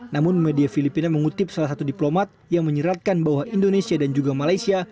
namun media filipina mengutip salah satu diplomat yang menyeratkan bahwa indonesia dan juga malaysia